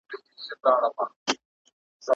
¬ مه ځه پر هغه لار چي نه دي مور ځي نه دي پلار.